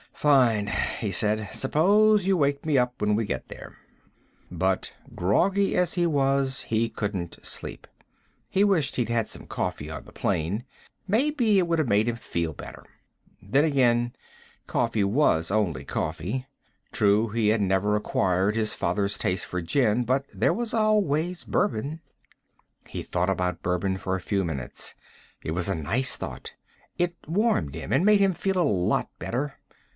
"Fine," he said. "Suppose you wake me up when we get there." But, groggy as he was, he couldn't sleep. He wished he'd had some coffee on the plane. Maybe it would have made him feel better. Then again, coffee was only coffee. True, he had never acquired his father's taste for gin, but there was always bourbon. He thought about bourbon for a few minutes. It was a nice thought. It warmed him and made him feel a lot better.